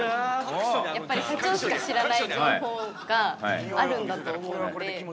やっぱり社長しか知らない情報があるんだと思うので。